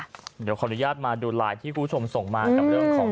เดี๋ยวขออนุญาตมาดูไลน์ที่คุณผู้ชมส่งมากับเรื่องของ